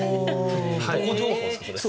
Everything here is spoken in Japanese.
どこ情報ですか？